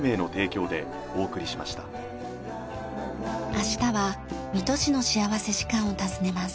明日は水戸市の幸福時間を訪ねます。